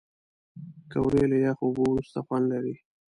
پکورې له یخو اوبو وروسته خوند لري